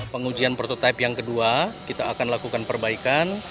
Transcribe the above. pengujian prototipe yang kedua kita akan lakukan perbaikan